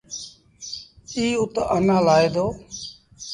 ايٚ اُت آنآ لآهي دو۔